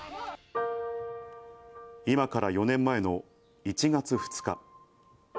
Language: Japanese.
今から４年前の１月２日。